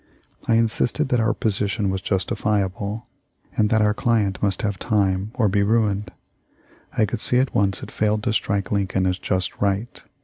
I insisted that our position was justifiable, and that our client must have time or be ruined. I could see at once it failed to strike Lincoln as just right.